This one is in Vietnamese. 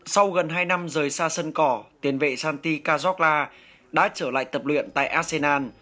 sau gần hai năm rời xa sân cỏ tiền vệ santi kazola đã trở lại tập luyện tại arsenal